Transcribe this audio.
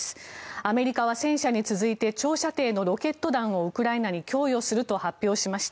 アメリカは戦車に続いて長射程のロケット弾をウクライナに供与すると発表しました。